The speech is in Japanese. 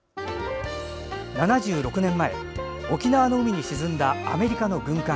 ７６年前、沖縄の海に沈んだアメリカの軍艦。